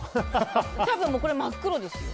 多分これは真っ黒ですよ。